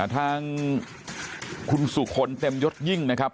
ทางคุณสุคลเต็มยศยิ่งนะครับ